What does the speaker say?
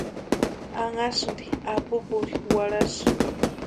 Anhasïnti apupueri warhasï.